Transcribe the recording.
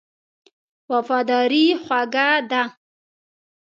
وفاداري خوږه ده.